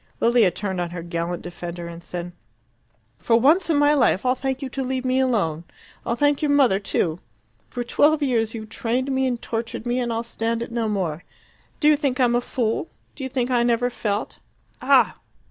Lilia turned on her gallant defender and said "For once in my life I'll thank you to leave me alone. I'll thank your mother too. For twelve years you've trained me and tortured me, and I'll stand it no more. Do you think I'm a fool? Do you think I never felt? Ah!